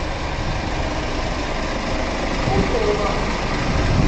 Tettfuḥuḍ.